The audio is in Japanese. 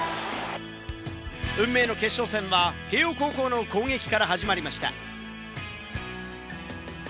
運命の決勝戦は慶應高校の攻撃から始まりました。